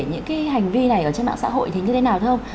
những cái hành vi này ở trên mạng xã hội thì như thế nào không